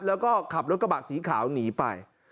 แล้วก็ขับรถกระบะสีขาวหนีไป